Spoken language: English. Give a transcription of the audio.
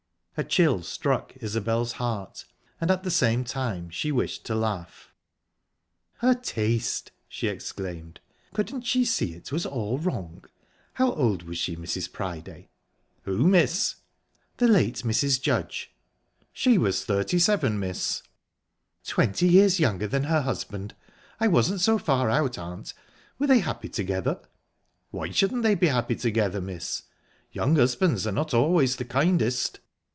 A chill struck Isbel's heart, and at the same time she wished to laugh. "Her taste!" she exclaimed. "Couldn't she see it was all wrong? How old was she, Mrs. Priday?" "Who, miss?" "The late Mrs. Judge." "She was thirty seven, miss." "Twenty years younger than her husband. I wasn't so far out, aunt ...Were they happy together?" "Why shouldn't they be happy together, miss? Young husbands are not always the kindest."